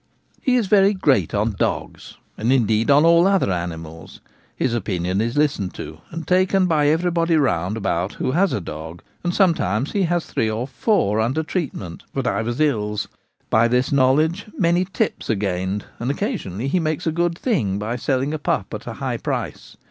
He is very ' great ' on dogs (and, indeed, on all other animals) ; his opinion is listened to and taken In Society. 13 by everybody round about who has a dog, and some times he has three or four under treatment for divers ills. By this knowledge many ' tips ' are gained, and occasionally he makes a good thing by selling a pup at a high price.